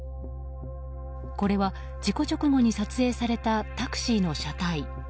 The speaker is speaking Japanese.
これは、事故直後に撮影されたタクシーの車体。